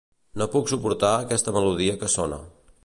No puc suportar aquesta melodia que sona.